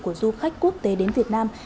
của du khách quốc tế đến việt nam